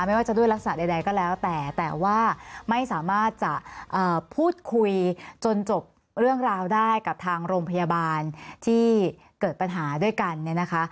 ไม่ว่าจะด้วยลักษณะใดก็แล้วแต่แต่ว่าไม่สามารถจะพูดคุยจนจบเรื่องราวได้กับทางโรงพยาบาลที่เกิดปัญหาด้วยกันเนี่ยนะคะ